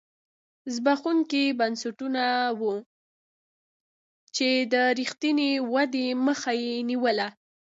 زبېښونکي بنسټونه وو چې د رښتینې ودې مخه یې نیوله.